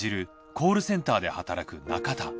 コールセンターで働く中田。